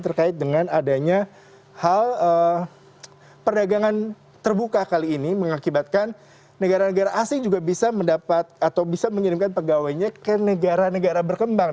terkait dengan adanya hal perdagangan terbuka kali ini mengakibatkan negara negara asing juga bisa mendapat atau bisa mengirimkan pegawainya ke negara negara berkembang